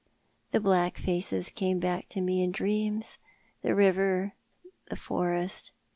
The black faces came back to me in dreams— the river— the forest.